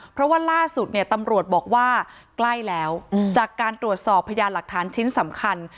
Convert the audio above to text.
เพราะว่าล่าสุดเนี่ยตำรวจบอกว่าใกล้แล้วจากการตรวจสอบพยานหลักฐานชิ้นสำคัญ